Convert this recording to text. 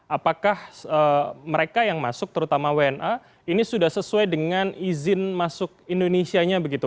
apakah mereka yang masuk terutama wna ini sudah sesuai dengan izin masuk indonesia nya begitu